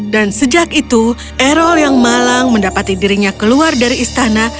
dan sejak itu erol yang malang mendapati dirinya keluar dari istana